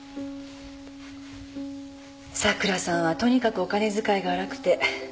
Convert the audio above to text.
桜さんはとにかくお金遣いが荒くて。